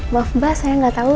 maaf mbak saya nggak tahu